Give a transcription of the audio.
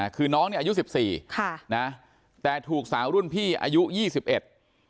คือน้องเนี่ยอายุสิบสี่ค่ะนะแต่ถูกสาวรุ่นพี่อายุยี่สิบเอ็ด